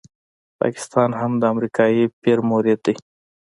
پاکستان هم د امریکایي پیر مرید دی.